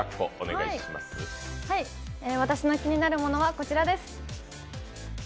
私の気になるものはこちらです。